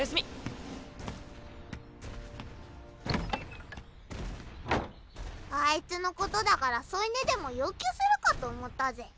・ガチャバタンあいつのことだから添い寝でも要求するかと思ったぜ。